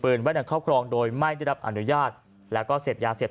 ไว้ในครอบครองโดยไม่ได้รับอนุญาตแล้วก็เสพยาเสพ